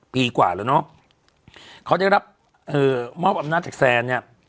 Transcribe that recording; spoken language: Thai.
ปีกว่าแล้วเนอะเขาได้รับเอ่อมอบอำนาจจากแซนเนี่ย